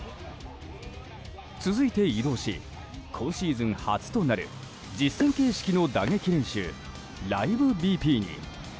続いて、移動し今シーズン初となる実戦形式の打撃練習ライブＢＰに。